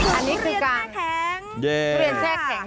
อันนี้คือการทุเรียนแช่แข็ง